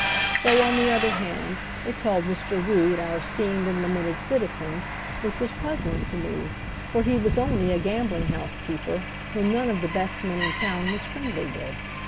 Though, on the other hand, it called Mr. Rood our esteemed and lamented citizen, which was puzzling to me, for he was only a gambling house keeper whom none of the best men in town was friendly with.